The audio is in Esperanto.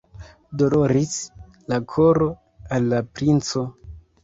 Doloris la koro al la princo!